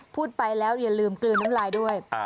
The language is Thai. พูดไปแล้วอย่าลืมกลืนน้ำลายด้วย